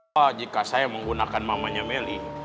wah jika saya menggunakan mamanya melly